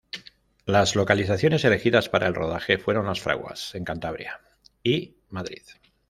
Las localizaciones elegidas para el rodaje fueron Las Fraguas, en Cantabria, y Madrid.